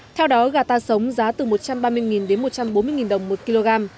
theo đó gà ta sống giá từ một trăm ba mươi đến một trăm bốn mươi đồng một kg